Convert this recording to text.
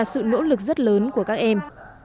là sự nỗ lực rất lớn của các em